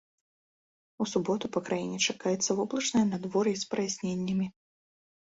У суботу па краіне чакаецца воблачнае надвор'е з праясненнямі.